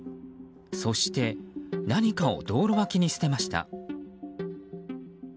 そして何かを道路脇に捨てました。